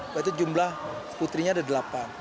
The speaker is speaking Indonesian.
berarti jumlah putrinya ada delapan